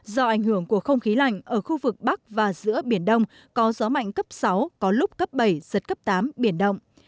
do ảnh hưởng của không khí lạnh ở khu vực bắc và giữa biển đông có gió mạnh cấp sáu có lúc cấp bảy giật cấp tám biển động